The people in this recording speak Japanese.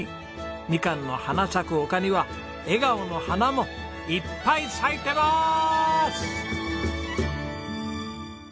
みかんの花咲く丘には笑顔の花もいっぱい咲いてまーす！